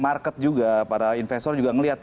market juga para investor juga melihat